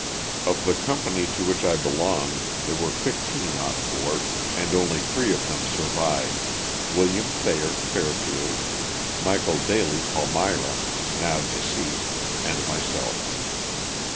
Of the company to which I belonged there were fifteen on board and only three of them survived; William Thayer, Fairfield ; Michael Daley, Palmyra, now deceased, and myself.